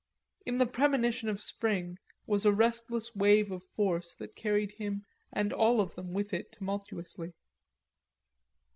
In the premonition of spring was a resistless wave of force that carried him and all of them with it tumultuously.